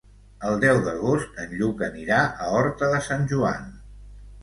El deu d'agost en Lluc anirà a Horta de Sant Joan.